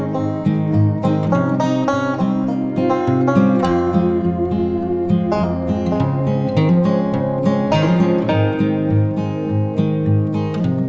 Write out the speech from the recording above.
sampai detik ini